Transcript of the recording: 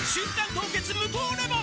凍結無糖レモン」